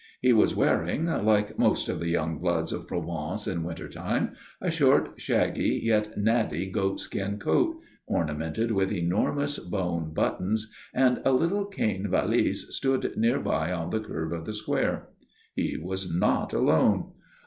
He was wearing like most of the young bloods of Provence in winter time a short, shaggy, yet natty goat skin coat, ornamented with enormous bone buttons, and a little cane valise stood near by on the kerb of the square. He was not alone.